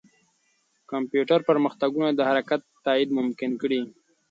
کمپیوټر پرمختګونه د حرکت تایید ممکن کړي.